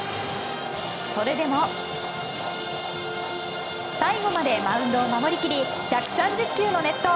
それでも最後までマウンドを守り切り１３０球の熱投。